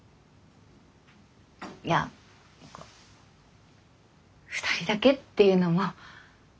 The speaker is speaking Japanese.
いや２人だけっていうのも。